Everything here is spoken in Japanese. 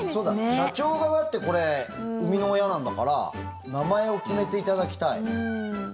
社長が、だってこれ生みの親なんだから名前を決めていただきたい。